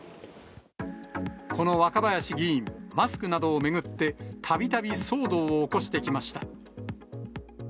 この若林議員、マスクなどを巡って、たびたび騒動を起こしてきました。